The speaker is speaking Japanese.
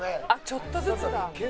「ちょっとずつだ」